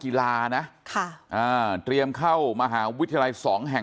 คุณยายบอกว่ารู้สึกเหมือนใครมายืนอยู่ข้างหลัง